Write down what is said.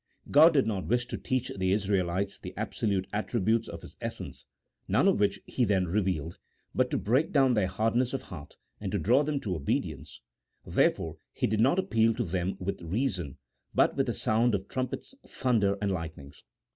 God did not wish to teach the Israelites the absolute attributes of His essence (none of which He then revealed), but to break down their hardness of heart, and to draw them to obedience: therefore He did not appeal to them with reasons, but with the sound of trumpets, thunder, and lightnings.